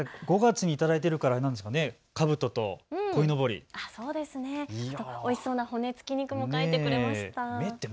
５月に頂いているからかぶととこいのぼり、おいしそうな骨付き肉も描いてくれました。